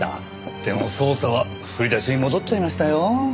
でも捜査は振り出しに戻っちゃいましたよ。